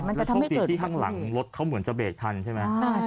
โชคดีที่ข้างหลังรถเขาเหมือนจะเบรกทันใช่ไหม